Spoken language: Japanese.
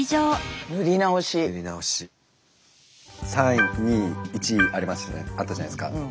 ３位２位１位あったじゃないですか。